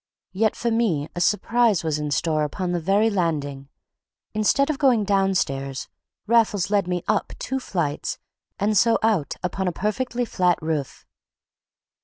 Yet for me a surprise was in store upon the very landing. Instead of going downstairs, Raffles led me up two flights, and so out upon a perfectly flat roof.